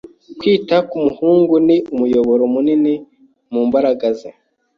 Kwita ku muhungu ni umuyoboro munini ku mbaraga ze.